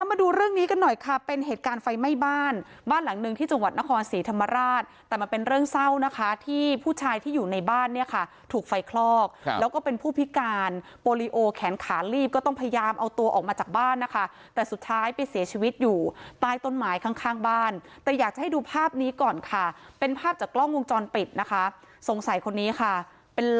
มาดูเรื่องนี้กันหน่อยค่ะเป็นเหตุการณ์ไฟไหม้บ้านบ้านหลังหนึ่งที่จังหวัดนครศรีธรรมราชแต่มันเป็นเรื่องเศร้านะคะที่ผู้ชายที่อยู่ในบ้านเนี่ยค่ะถูกไฟคลอกแล้วก็เป็นผู้พิการโปรลิโอแขนขาลีบก็ต้องพยายามเอาตัวออกมาจากบ้านนะคะแต่สุดท้ายไปเสียชีวิตอยู่ใต้ต้นไม้ข้างข้างบ้านแต่อยากจะให้ดูภาพนี้ก่อนค่ะเป็นภาพจากกล้องวงจรปิดนะคะสงสัยคนนี้ค่ะเป็น